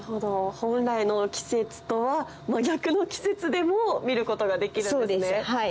本来の季節とは真逆の季節でも見ることができるんですね。